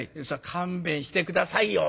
「勘弁して下さいよ。